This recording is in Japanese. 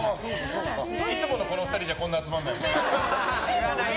いつものこの２人じゃこんなに集まらないもんね。